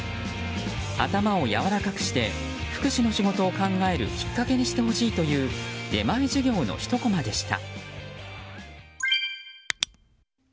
頭をやわらかくして福祉の仕事を考えるきっかけにしてほしいという出前授業のひとコマでした。